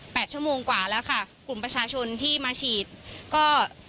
ชั่วโมงกว่าแล้วค่ะกลุ่มประชาชนที่มาฉีดก็